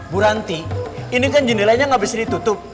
bu ranti ini kan jendelanya nggak bisa ditutup